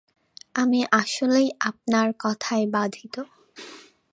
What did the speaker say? আমি আসলেই আপনার কথাই বাধিত।